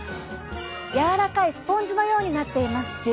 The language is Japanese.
やわらかいスポンジのようになっています。